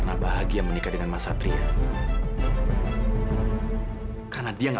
sampai jumpa di video selanjutnya